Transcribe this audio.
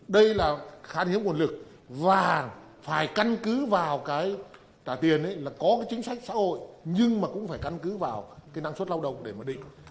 đây là khan hiếm nguồn lực và phải căn cứ vào cái trả tiền là có cái chính sách xã hội nhưng mà cũng phải căn cứ vào cái năng suất lao động để mà định